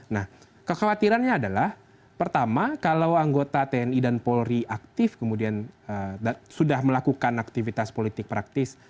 nah kekhawatirannya adalah pertama kalau anggota tni dan polri aktif kemudian sudah melakukan aktivitas politik praktis